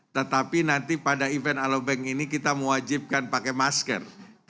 tetapi nanti pada event alobank ini kita mewajibkan pakai masker